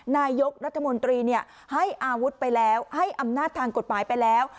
นายกรัฐมนตรีให้อาวุธไปแล้วให้อำนาจทางกฎหมายไปแล้ว